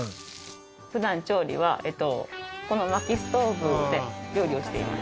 普段調理はこの薪ストーブで料理をしています。